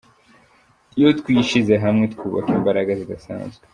Iyo twishyize hamwe twubaka imbaraga zidasanzwe.